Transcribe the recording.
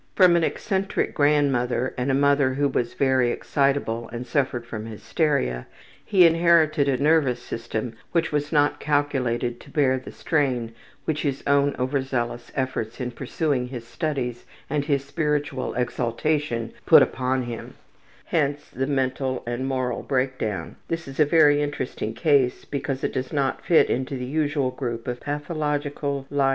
From an eccentric grandmother, and a mother who was very excitable and suffered from hysteria, he inherited a nervous system which was not calculated to bear the strain which his own overzealous efforts in pursuing his studies and his spiritual exaltation put upon it, hence the mental and moral breakdown. This is a very interesting case because it does not fit into the usual group of pathological liars.